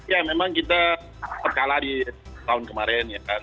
ya memang kita berkala di tahun kemarin ya kan